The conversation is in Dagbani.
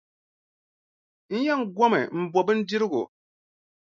N yɛn gomi m-bo bindirigu.